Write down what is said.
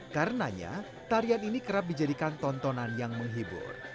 karenanya tarian ini kerap dijadikan tontonan yang menghibur